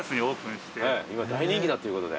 今大人気だということで。